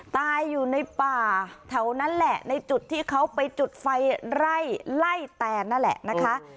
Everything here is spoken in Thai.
ตายอยู่ในป่าแถวนั้นแหละในจุดที่เขาไปจุดไฟไล่ไล่แตนนั่นแหละนะคะ